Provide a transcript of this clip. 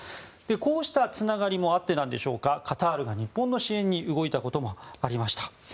こうしたつながりもあってなんでしょうかカタールが日本の支援に動いたこともありました。